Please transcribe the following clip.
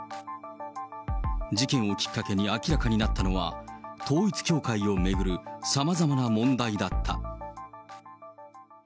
事件をきっかけに明らかになったのは、統一教会を巡るさまざまな問題だった。